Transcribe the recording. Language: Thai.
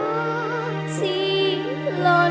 แค่คนร้องสิบรางวัน